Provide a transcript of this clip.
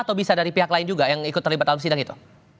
atau bisa dari pihak lain juga yang ikut terlibat dalam sidang itu